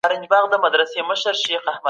مغول په تېر وخت کي ډېر ځواکمن واکمنان وو.